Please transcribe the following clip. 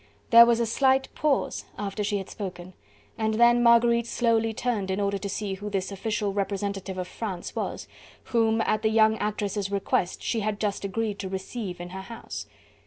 There was a slight pause after she had spoken and then Marguerite slowly turned in order to see who this official representative of France was, whom at the young actress' request she had just agreed to receive in her house.